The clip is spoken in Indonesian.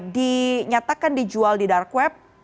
dinyatakan dijual di dark web